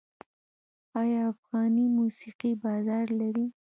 آیا افغاني موسیقي بازار لري؟